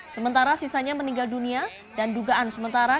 sementara sisanya meninggal dunia dan dugaan sementara